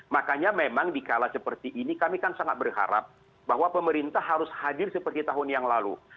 makanya memang dikala seperti ini kami kan sangat berharap bahwa pemerintah harus hadir seperti tahun yang lalu